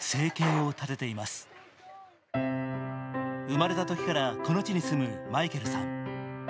生まれたときからこの地に住むマイケルさん。